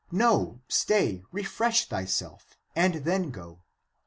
No, stay, refresh thyself, and then go.